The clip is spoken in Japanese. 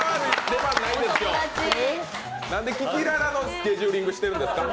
なんでキキララのスケジューリングしてるんですか？